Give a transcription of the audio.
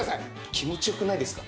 気持ち良くないですか？